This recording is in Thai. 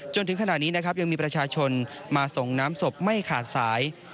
จนถึงขณะนี้นะครับยังมีประชาชนมาส่งน้ำศพไม่ขาดสาย